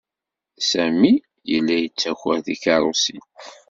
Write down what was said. Sami yella yettaker tikeṛṛusin.